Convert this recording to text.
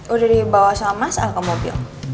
udah dibawa sama mas ke mobil